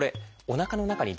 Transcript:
おなかの中に？